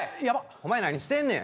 お前何してんねん。